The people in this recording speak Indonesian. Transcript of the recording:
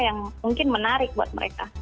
yang mungkin menarik buat mereka